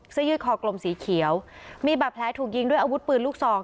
ยืดคอกลมสีเขียวมีบาดแผลถูกยิงด้วยอาวุธปืนลูกซอง